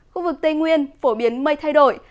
khu vực tây nguyên phổ biến mây thay đổi